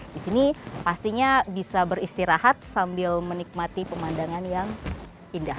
di sini pastinya bisa beristirahat sambil menikmati pemandangan yang indah